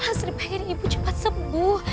nasri pengen ibu cepat sembuh